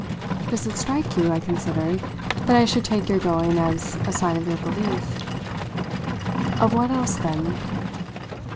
"Does it strike you," I considered, "that I should take your going as a sign of your belief?" "Of what else, then?"